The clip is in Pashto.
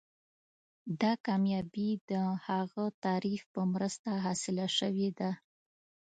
دا کامیابي د هغه تعریف په مرسته حاصله شوې ده.